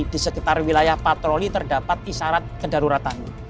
di sekitar wilayah patroli terdapat isyarat kedaruratan